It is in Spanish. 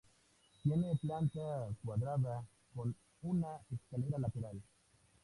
Tiene planta cuadrada, con una escalera lateral.